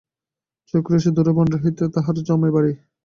ছয় ক্রোশ দূরে ভাণ্ডারহাটিতে তাহার জামাইবাড়ী।